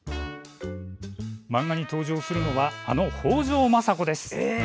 漫画に登場するのはあの北条政子です。